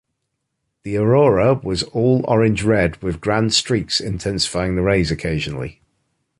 The aurora was all orange-red, with grand streaks intensifying the rays occasionally.